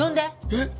えっ？